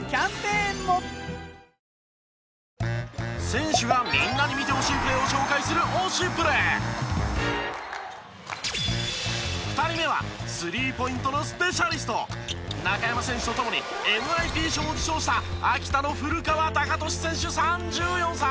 選手がみんなに見てほしいプレーを紹介する２人目は中山選手と共にＭＩＰ賞を受賞した秋田の古川孝敏選手３４歳。